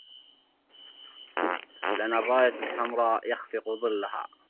لنا الراية الحمراء يخفق ظلها